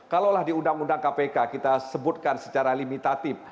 kalaulah di undang undang kpk kita sebutkan secara limitatif